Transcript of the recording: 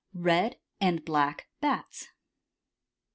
] RED AND BLACK BATS.